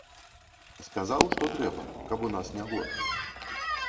Сказаў, што трэба, каб у нас не горш.